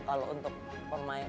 kalau untuk bermain